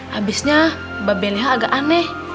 habisnya mbak bele agak aneh